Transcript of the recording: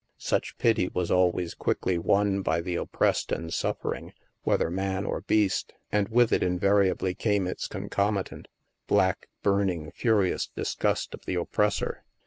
Such pity was always quickly won by the op pressed and suffering, whether man or beast; and with it invariably came its concomitant — black burning, furious disgust of the oppressor.